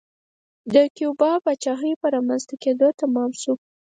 د کیوبا پاچاهۍ په رامنځته کېدو تمام شو.